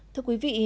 thưa quý vị